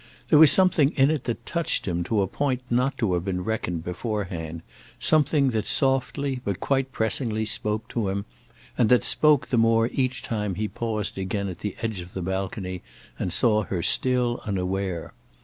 There was something in it that touched him to a point not to have been reckoned beforehand, something that softly but quite pressingly spoke to him, and that spoke the more each time he paused again at the edge of the balcony and saw her still unaware.